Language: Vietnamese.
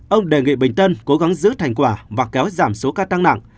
ông đề nghị bình tân cố gắng giữ thành quả và kéo giảm số ca tăng nặng